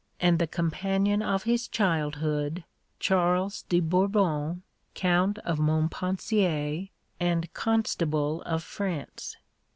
and the companion of his childhood, Charles de Bourbon, Count of Montpensier, and Constable of France.